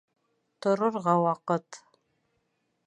Торорға ваҡыт!